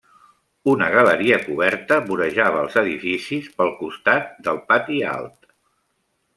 Una galeria coberta vorejava els edificis pel costat del pati alt.